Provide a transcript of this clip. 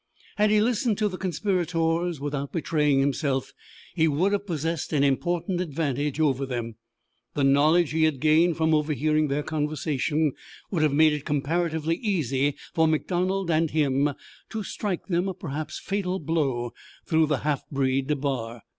Had he listened to the conspirators without betraying himself he would have possessed an important advantage over them. The knowledge he had gained from overhearing their conversation would have made it comparatively easy for MacDonald and him to strike them a perhaps fatal blow through the half breed DeBar.